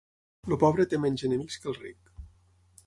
El pobre té menys enemics que el ric.